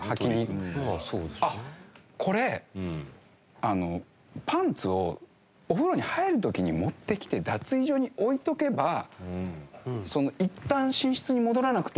あっこれパンツをお風呂に入る時に持ってきて脱衣所に置いておけばいったん寝室に戻らなくていいやと思って。